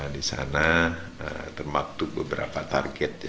di sana termaktub beberapa target